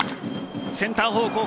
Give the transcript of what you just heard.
センター方向。